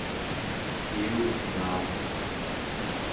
piyugngauq